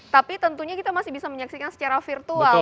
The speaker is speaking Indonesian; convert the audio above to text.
tapi tentunya kita masih bisa menyaksikan secara virtual